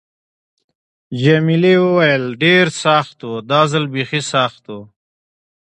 جميلې وويل:: ډېر سخت و، دا ځل بیخي سخت و.